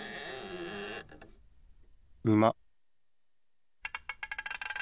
うま。